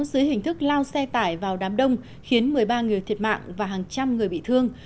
dưới hình thức lao xe tải vào đám đông khiến một mươi ba người thiệt mạng và hàng trăm người bị thương